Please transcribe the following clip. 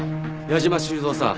矢島修造さん